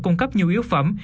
cung cấp nhiều yếu phẩm